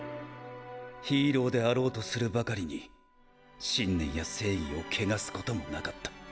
ヒーローであろうとするばかりに信念や正義を汚すこともなかった。